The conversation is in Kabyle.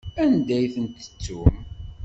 Anda i ten-tettum?